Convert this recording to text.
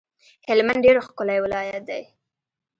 هلمند ډیر ښکلی ولایت دی